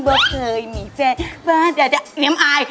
ว่าเคยมีแฟนว่าจะเหนียมอาย